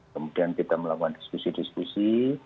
kemudian kita melakukan diskusi diskusi